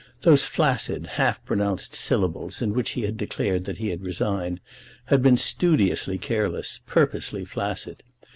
Those flaccid half pronounced syllables in which he had declared that he had resigned, had been studiously careless, purposely flaccid.